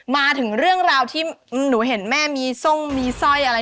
มาถึงเรื่องราวที่หนูเห็นแม่มีทรงมีสร้อยอะไร